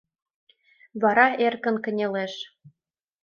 Вара эркын кынелеш.